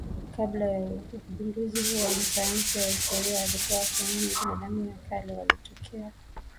Kabla ya ugunduzi huo wanasayansi na wanahistoria walikuwa wakiamini binadamu wa kale walitokea China